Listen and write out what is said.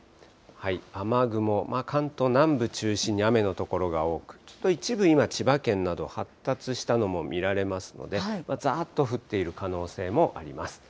雨雲、関東南部中心に雨の所が多く、ちょっと一部、今、千葉県など発達したのも見られますので、ざーっと降っている可能性もあります。